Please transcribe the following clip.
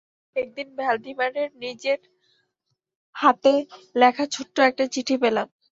একদিন ভ্যালডিমারের নিজের হাতে লেখা ছোট্ট একটা চিঠি পেলাম।